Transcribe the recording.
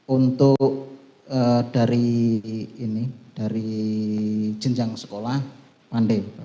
untuk dari ini dari jenjang sekolah pandai